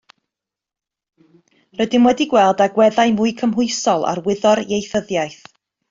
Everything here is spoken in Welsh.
Rydym wedi gweld agweddau mwy cymhwysol ar wyddor ieithyddiaeth.